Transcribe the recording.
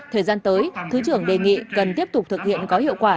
thời gian tới thứ trưởng đề nghị cần tiếp tục thực hiện có hiệu quả